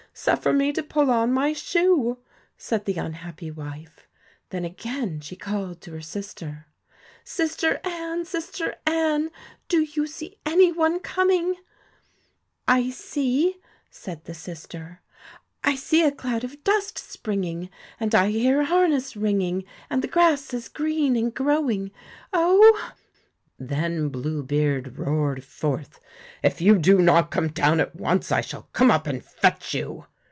Suffer me to pull on my shoe,' said the unhappy wife. Then again she called to her sister: 'Sister Anne! sister Anne! do you see any one coming ?'' I see,' said the sister, ' I see a cloud of dust springing, and I hear harness ringing, and the grass is green and growing, oh 1 ' Then Blue beard roared forth: 'If you do not come down at once I shall come up and fetch you.'